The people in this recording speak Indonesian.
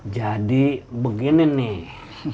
jadi begini nih